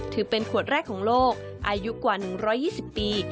ถือเป็นขวดแรกของโลกอายุกว่า๑๒๐ปี